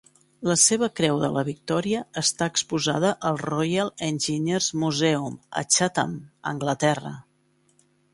La seva Creu de la Victòria està exposada al Royal Engineers Museum, a Chatham, Anglaterra.